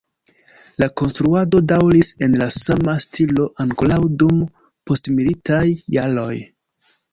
La konstruado daŭris en la sama stilo ankoraŭ dum postmilitaj jaroj.